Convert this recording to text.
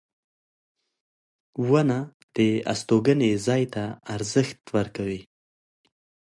• ونه د استوګنې ځای ته ارزښت ورکوي.